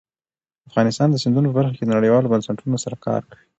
افغانستان د سیندونه په برخه کې نړیوالو بنسټونو سره کار کوي.